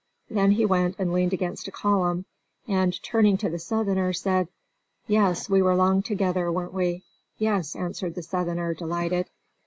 Then he went and leaned against a column, and, turning to the Southerner, said, "Yes, we were long together, weren't we?" "Yes," answered the Southerner, delighted.